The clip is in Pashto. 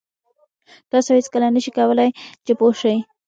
تاسو هېڅکله نه شئ کولای چې پوه شئ.